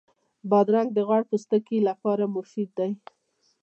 بادرنګ د غوړ پوستکي لپاره مفید دی.